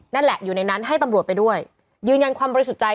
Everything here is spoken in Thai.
นั่นแหละอยู่ในนั้นให้ตำรวจไปด้วยยืนยันความบริสุทธิ์ใจ